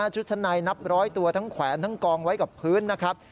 ชุดชั้นในนับร้อยตัวทั้งแขวนทั้งกองไว้กับพื้นนะครับ